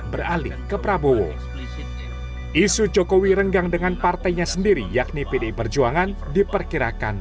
beralih ke prabowo isu jokowi renggang dengan partainya sendiri yakni pdi perjuangan diperkirakan